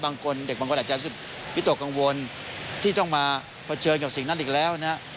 บางคนเด็กบางคนอาจจะวิตกกังวลที่ต้องมาเผชิญกับสิ่งนั้นอีกแล้วนะฮะ